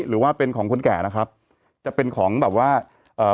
หรือว่าเป็นของคนแก่นะครับจะเป็นของแบบว่าเอ่อ